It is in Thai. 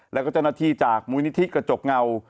แล้วก็เจ้าหน้าที่จากมูลนิธิกระจกเงา